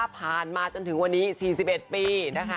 ผ่านมาจนถึงวันนี้๔๑ปีนะคะ